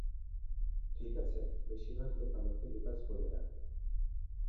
ঠিক আছে, বেশিরভাগ লোক আমাকে লুকাস বলে ডাকে।